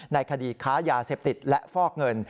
ในคดีค้ายาเสพติดและฟอกเงิน